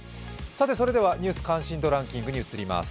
それではニュース関心度ランキングに移ります。